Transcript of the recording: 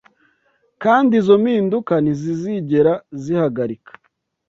kandi izo mpinduka ntizizigera zihagarika